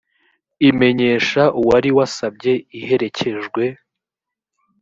imenyesha uwari wasabye iherekejwe